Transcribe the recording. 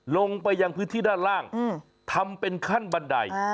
ลงไปยังพื้นที่ด้านล่างทำเป็นขั้นบันได